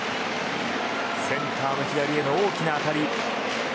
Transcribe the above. センターの左への大きな当たり。